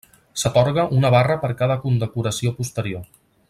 S'atorga una barra per cada condecoració posterior.